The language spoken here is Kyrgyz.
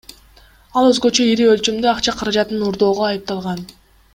Ал өзгөчө ири өлчөмдө акча каражатын уурдоого айыпталган.